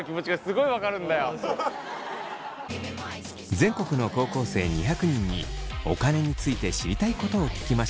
全国の高校生２００人にお金について知りたいことを聞きました。